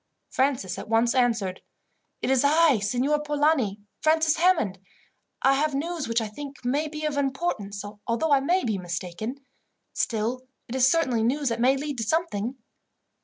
Francis at once answered: "It is I, Signor Polani, Francis Hammond. I have news which I think may be of importance, although I may be mistaken. Still, it is certainly news that may lead to something."